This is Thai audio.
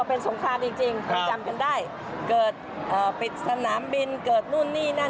เป็นสงครามจริงถ้าจำกันได้เกิดปิดสนามบินเกิดนู่นนี่นั่น